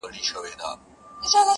• د پکتیکا زلزلې -